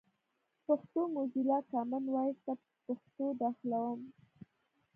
پښتو موزیلا، کامن وایس ته پښتو داخلوم.